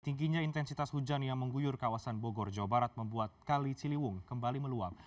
tingginya intensitas hujan yang mengguyur kawasan bogor jawa barat membuat kali ciliwung kembali meluap